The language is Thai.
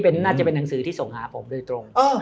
น่าจะเป็นหนังสือที่ส่งหาผมโดยตรง